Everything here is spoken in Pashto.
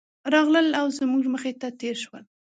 راغلل او زموږ مخې ته تېر شول.